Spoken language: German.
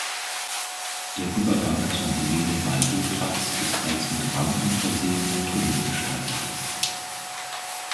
Der Übergang zum Helene-Weigel-Platz ist als mit Rampen versehener Tunnel gestaltet.